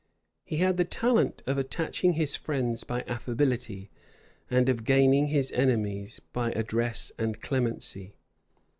He had the talent of attaching his friends by affability, and of gaining his enemies by address and clemency.